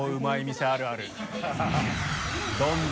店あるある匹